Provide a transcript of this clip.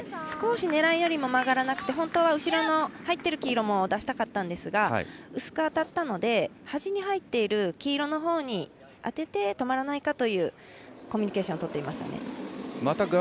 少し狙いよりも曲がらず本当は後ろの、入っている黄色も出したかったんですが薄く当たったので端に入っている黄色に当てて止まらないかというコミュニケーションをとっていました。